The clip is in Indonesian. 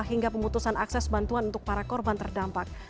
hingga pemutusan akses bantuan untuk para korban terdampak